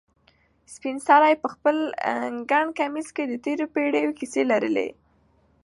سپین سرې په خپل ګڼ کمیس کې د تېرو پېړیو کیسې لرلې.